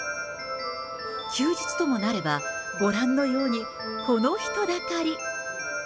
休日ともなれば、ご覧のようにこの人だかり。